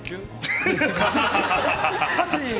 ◆確かに。